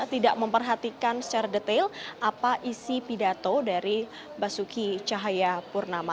tidak memperhatikan secara detail apa isi pidato dari basuki cahaya purnama